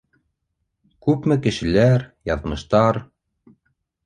Күпме кешеләр... яҙмыштар...